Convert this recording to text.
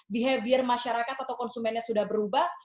behavior masyarakat atau konsumennya sudah berubah